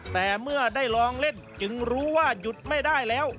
แต่เมื่อได้ลองเล่นจึงรู้ว่าหยุดไม่ได้แล้ว